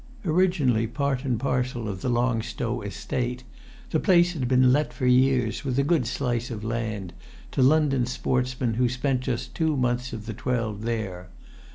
Originally part and parcel of the Long Stow estate, the place had been let for years, with a good slice of land, to London sportsmen who spent just two months of the twelve there.